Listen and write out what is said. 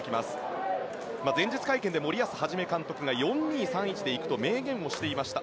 前日会見で森保一監督が４−２−３−１で行くと明言していました。